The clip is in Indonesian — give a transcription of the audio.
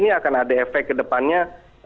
ini akan ada efek ke depannya